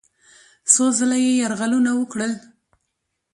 څو ځله یې یرغلونه وکړل.